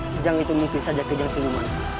kijang itu mungkin saja kijang sinuman